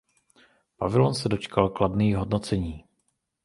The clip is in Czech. Pavilon se dočkal kladných hodnocení.